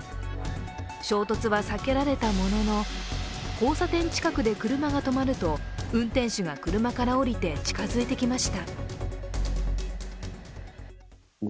衝突は避けられたものの、交差点近くで車が止まると運転手が車から降りて近づいてきました。